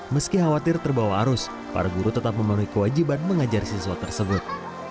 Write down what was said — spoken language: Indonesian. meski khawatir terbawa arus para guru tetap memenuhi kewajiban mengajar siswa tersebut